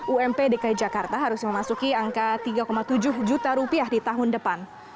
ump dki jakarta harus memasuki angka tiga tujuh juta rupiah di tahun depan